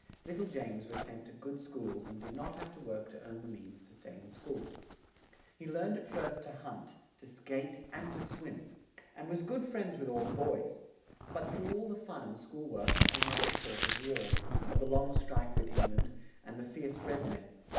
Lit tle James was sent to good schools and did not have to work to earn the means to stay in school. He learned at first to hunt, to skate and to swim; and was good friends with all the boys; but through all the fun and school work came up the talk of war; of the long strife with Eng land and the fierce red men.